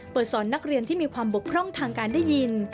สอนนักเรียนที่มีความบกพร่องทางการได้ยิน